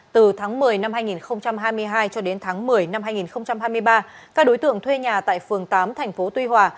từ tháng một mươi năm hai nghìn hai mươi hai cho đến tháng một mươi năm hai nghìn hai mươi ba các đối tượng thuê nhà tại phường tám thành phố tuy hòa